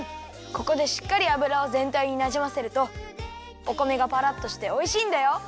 ここでしっかり油をぜんたいになじませるとお米がパラッとしておいしいんだよ。